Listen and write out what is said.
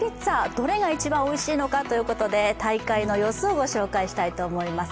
どれが一番おいしいのかということで大会の様子をご紹介したいと思います。